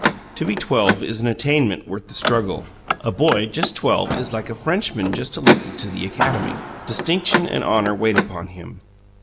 To be twelve is an attainment worth the struggle. A boy, just twelve, is like a Frenchman just elected to the Academy. Distinction and honour wait upon him.